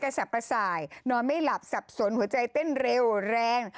ก็จะทำให้กระสับสายนอนไม่หลับสับสนหัวใจเต้นเร็วแรง